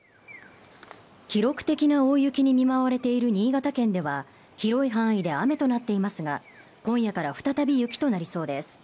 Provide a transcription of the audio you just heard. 記録的な大雪に見舞われている新潟県では広い範囲で雨となっていますが今夜から再び雪となりそうです